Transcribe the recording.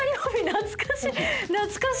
懐かしい！